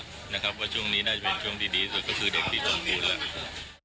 ว่าช่วงนี้น่าจะเป็นช่วงดีสุดก็คือเด็กที่จงพูดแล้ว